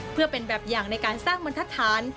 เพื่อเป็นแบบอย่างในการสร้างบรรทฐาน